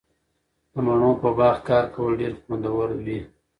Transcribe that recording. د مڼو په باغ کې کار کول ډیر خوندور وي.